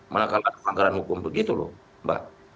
mana kalau ada pelanggaran hukum begitu loh